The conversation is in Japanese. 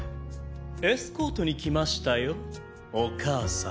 エスコートに来ましたよお母様。